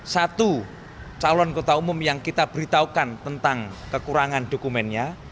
satu calon kota umum yang kita beritahukan tentang kekurangan dokumennya